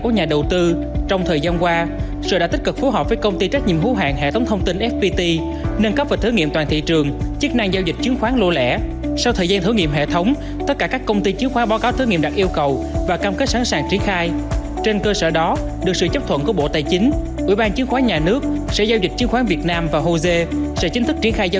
nhà đầu tư có thể đặt lệnh giao dịch có khối lượng từ một đến chín mươi chín cổ phiếu